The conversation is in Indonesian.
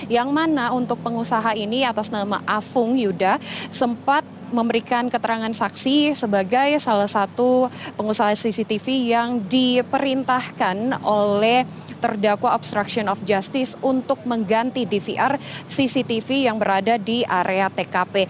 yang mana untuk pengusaha ini atas nama afung yuda sempat memberikan keterangan saksi sebagai salah satu pengusaha cctv yang diperintahkan oleh terdakwa obstruction of justice untuk mengganti dvr cctv yang berada di area tkp